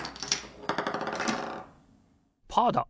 パーだ！